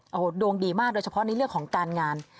โอ้โหดวงดีมากโดยเฉพาะในเรื่องของการงาน